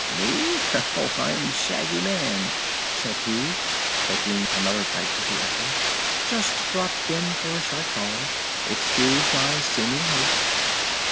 "Me? Oh, I'm Shaggy Man," said he, taking another bite of the apple. "Just dropped in for a short call. Excuse my seeming haste."